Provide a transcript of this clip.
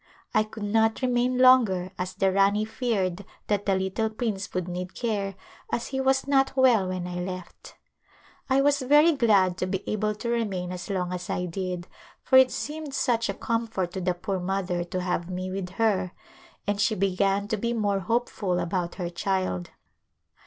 I could not remain longer as the Rani feared that the little prince would need care as he was not well when I left. I was very glad to be able to remain as long as I did for it seemed such a comfort to the poor mother to have me with her and she began to be more hopeful about her child.